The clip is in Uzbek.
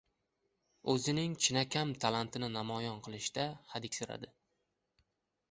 O‘zining chinakam talantini namoyon qilishdan hadiksirardi.